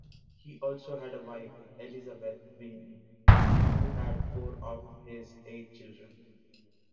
He also had a wife, Elizabeth Whinny, who had four of his eight children.